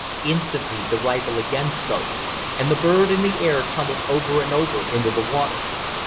Instantly the rifle again spoke, and the bird in the air tumbled over and over into the water.